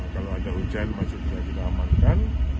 kalau ada hujan maksudnya kita amankan